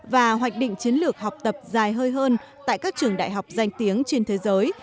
và hoạch định chiến lược học tập dài hơi hơn tại các trường đại học danh tiếng trên thế giới